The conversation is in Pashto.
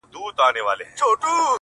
لاس يې د ټولو کايناتو آزاد; مړ دي سم;